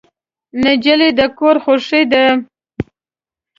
نجلۍ د کور خوښي ده.